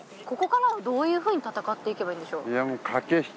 ここからはどういうふうに戦っていけばいいんでしょう？